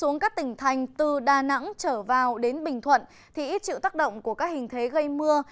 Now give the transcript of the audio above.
nắng trở vào đến bình thuận thì ít chịu tác động của các hình thế gây mưa